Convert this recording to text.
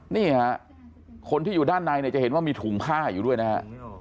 นี่ฮะคนที่อยู่ด้านในเนี่ยจะเห็นว่ามีถุงผ้าอยู่ด้วยนะฮะ